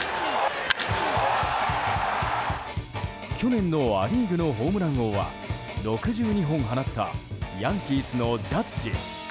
去年のア・リーグのホームラン王は６２本放ったヤンキースのジャッジ。